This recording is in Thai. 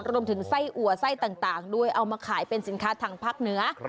รวมถึงไส้อัวไส้ต่างด้วยเอามาขายเป็นสินค้าทางภาคเหนือ